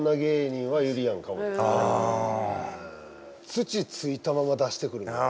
土ついたまま出してくるみたいな。